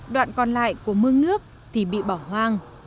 đoạn còn lại của mương nước thì bị bỏ hoang